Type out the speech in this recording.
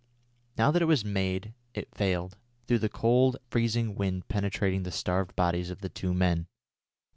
Now that it was made it failed, through the cold freezing wind penetrating the starved bodies of the two men.